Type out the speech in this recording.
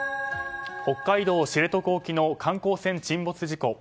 北海道知床沖の観光船沈没事故。